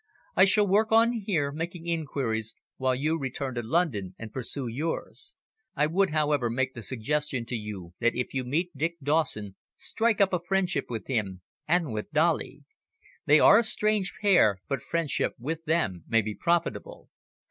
I shall work on here, making inquiries, while you return to London and pursue yours. I would, however, make the suggestion to you that if you meet Dick Dawson strike up a friendship with him, and with Dolly. They are a strange pair, but friendship with them may be profitable."